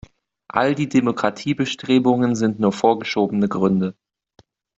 All die Demokratiebestrebungen sind nur vorgeschobene Gründe.